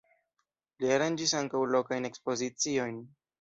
Li aranĝis ankaŭ lokajn ekspoziciojn.